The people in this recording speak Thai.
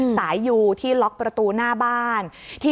สายยูที่ล็อกประตูหน้าบ้าน